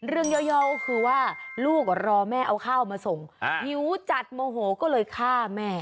ย่อก็คือว่าลูกรอแม่เอาข้าวมาส่งหิวจัดโมโหก็เลยฆ่าแม่